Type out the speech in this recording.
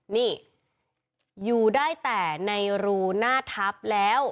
นี่อยู่ได้แต่ในรูหน้าทัพแล้ว